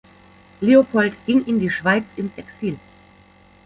Leopold ging in die Schweiz ins Exil.